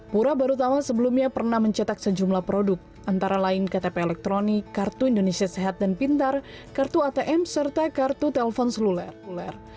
pura barutama sebelumnya pernah mencetak sejumlah produk antara lain ktp elektronik kartu indonesia sehat dan pintar kartu atm serta kartu telepon seluler uler